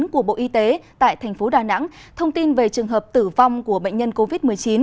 của bộ y tế tại thành phố đà nẵng thông tin về trường hợp tử vong của bệnh nhân covid một mươi chín